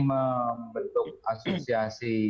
dalam bentuk asosiasi